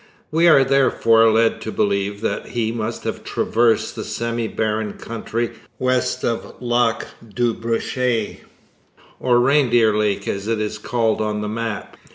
We are therefore led to believe that he must have traversed the semi barren country west of Lac du Brochet, or Reindeer Lake as it is called on the map.